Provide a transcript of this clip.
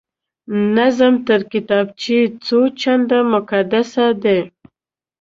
نظم تر کتابچې څو چنده مقدسه دی